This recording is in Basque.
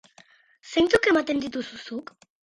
Zeintzuk ematen dituzu zuk?